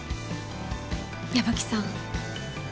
矢吹さん。